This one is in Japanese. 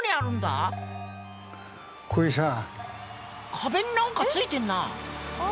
壁に何かついてんな！